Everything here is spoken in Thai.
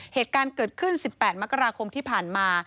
เหตุการณ์เกิดขึ้น๑๘มกราคมที่ผ่านมา